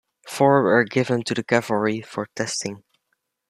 Four were given to the cavalry for testing.